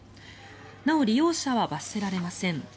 なお、利用者は罰せられません。